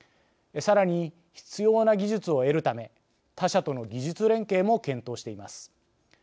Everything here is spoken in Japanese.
さらに、必要な技術を得るため他社との技術連携も検討しています。